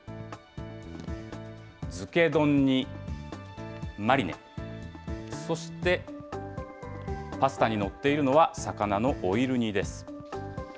漬け丼にマリネ、そしてパスタに載っているのは、魚のオイル煮です。